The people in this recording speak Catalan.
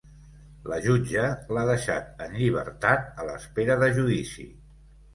La jutge l’ha deixat en llibertat, a l’espera de judici.